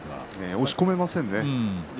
押し込めませんね。